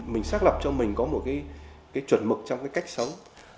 mình xác lập cho mình có một cái chuẩn mực trong cái cách sống